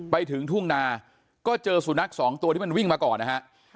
ไปถึงทุ่งนาก็เจอสุนัขสองตัวที่มันวิ่งมาก่อนนะฮะ